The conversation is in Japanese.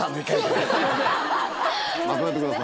まとめてください。